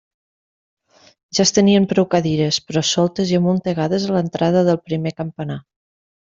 Ja es tenien prou cadires, però soltes i amuntegades a l'entrada del primer campanar.